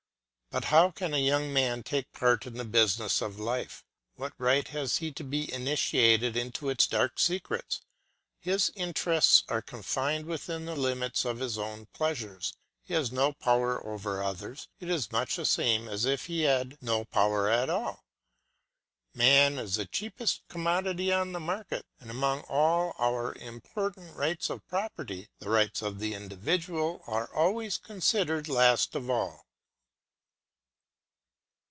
But how can a young man take part in the business of life? What right has he to be initiated into its dark secrets? His interests are confined within the limits of his own pleasures, he has no power over others, it is much the same as if he had no power at all. Man is the cheapest commodity on the market, and among all our important rights of property, the rights of the individual are always considered last of all.